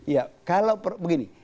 ya kalau begini